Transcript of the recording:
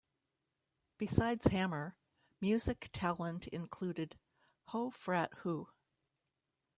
Besides Hammer, music talent included Ho Frat Hoo!